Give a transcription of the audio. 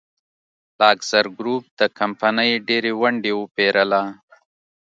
لاکزر ګروپ د کمپنۍ ډېرې ونډې وپېرله.